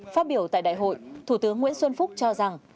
phát biểu tại đại hội thủ tướng nguyễn xuân phúc cho rằng